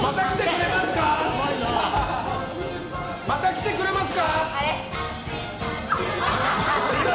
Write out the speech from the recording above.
また来てくれますか？